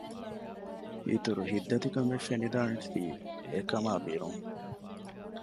އިތުރު ހިތްދަތިކަމެއް ފެނިދާނެތީ އެކަމާ ބިރުން